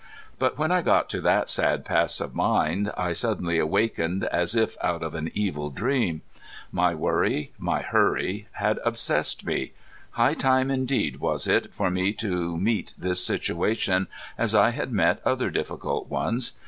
But when I got to that sad pass of mind I suddenly awakened as if out of an evil dream. My worry, my hurry had obsessed me. High time indeed was it for me to meet this situation as I had met other difficult ones.